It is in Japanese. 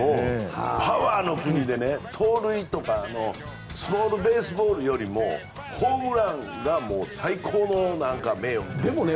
パワーの国で、盗塁とかスモールベースボールよりもホームランが最高の名誉みたいな。